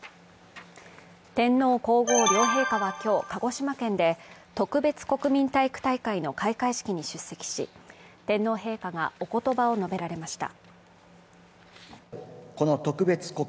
天皇皇后両陛下は今日、鹿児島県で特別国民体育大会の開会式に出席し、天皇陛下がおことばを述べられました。